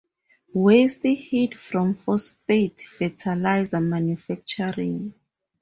Waste heat from phosphate fertilizer manufacturing.